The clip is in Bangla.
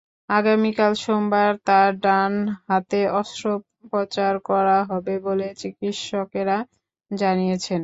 আগামীকাল সোমবার তাঁর ডান হাতে অস্ত্রোপচার করা হবে বলে চিকিৎসকেরা জানিয়েছেন।